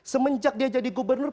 semenjak dia jadi gubernur